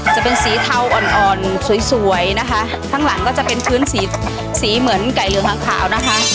จะเป็นสีเทาอ่อนอ่อนสวยสวยนะคะข้างหลังก็จะเป็นพื้นสีสีเหมือนไก่เหลืองหางขาวนะคะ